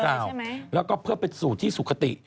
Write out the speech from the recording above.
แล้วก็เพิ่มเป็นสูตรที่สุขติ